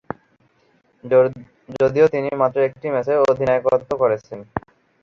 যদিও তিনি মাত্র একটি ম্যাচে অধিনায়কত্ব করেছেন।